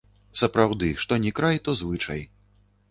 Сапраўды, што ні край, то звычай.